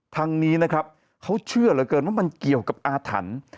ทางนี้นะครับเขาเชื่อเหลือเกินว่ามันเกี่ยวกับอาถรรพ์